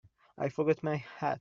I forgot my hat.